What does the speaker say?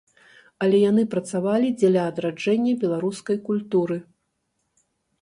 Але яны працавалі дзеля адраджэння беларускай культуры.